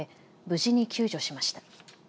無事に救助しました。